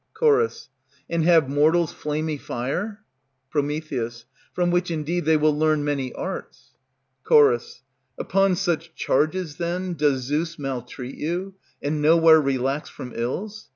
Ch. And have mortals flamy fire? Pr. From which, indeed, they will learn many arts. Ch. Upon such charges, then, does Zeus Maltreat you, and nowhere relax from ills?